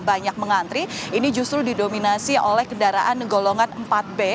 banyak mengantri ini justru didominasi oleh kendaraan golongan empat b